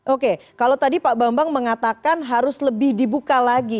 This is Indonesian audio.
oke kalau tadi pak bambang mengatakan harus lebih dibuka lagi